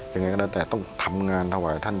อย่างไรก็น่าแต่ต้องทำงานถวายให้ท่าน